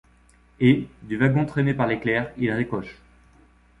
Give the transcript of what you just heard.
Et, du wagon traîné par l'éclair, il ricoche